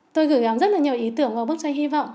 tôi gửi gắm rất là nhiều ý tưởng vào bức tranh hy vọng